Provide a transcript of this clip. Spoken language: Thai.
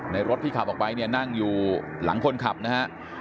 รถที่ขับออกไปเนี่ยนั่งอยู่หลังคนขับนะฮะ